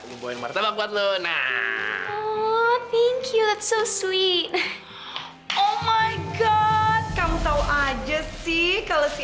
hai nira bawa martabak buat lu nah oh thank you so sweet oh my god kamu tahu aja sih kalau